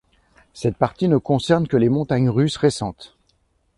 Cette partie ne concerne que les montagnes russes récentes.